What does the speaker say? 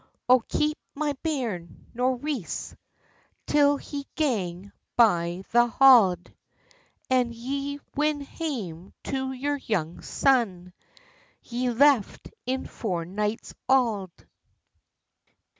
O keep my bairn, Nourice, Till he gang by the hauld, An' ye's win hame to your young son, Ye left in four nights auld.